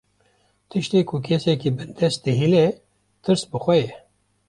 Tiştê ku kesekî bindest dihêle, tirs bi xwe ye